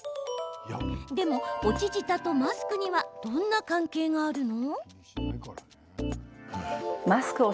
でも落ち舌とマスクにはどんな関係があるの？